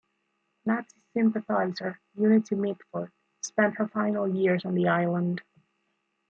Nazi sympathiser Unity Mitford spent her final years on the island.